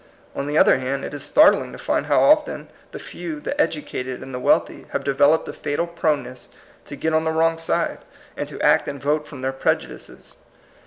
On the other hand, it is startling to find how often the few, the educated and the wealthy, have developed a fatal proneness to get on the wrong side, and to act and vote from their prejudices.